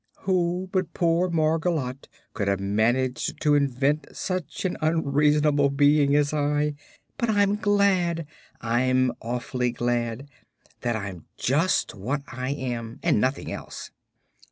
Who but poor Margolotte could have managed to invent such an unreasonable being as I? But I'm glad I'm awfully glad! that I'm just what I am, and nothing else."